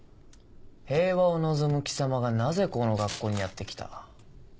平和を望む貴様がなぜこの学校にやって来た？